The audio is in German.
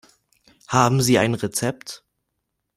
Haben Sie ein Rezept?